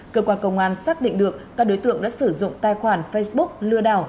cơ quan công an xác định được các đối tượng đã sử dụng tài khoản facebook lừa đảo